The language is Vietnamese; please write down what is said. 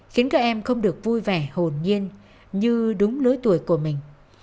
khiến các em không được vui vẻ hồn nhiên như đúng lứa tuổi của mình